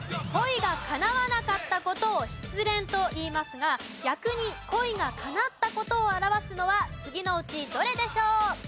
恋が叶わなかった事を失恋といいますが逆に恋が叶った事を表すのは次のうちどれでしょう？